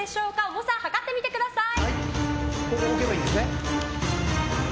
重さ量ってみてください。